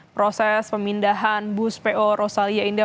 proses pemindahan bus po rosalia india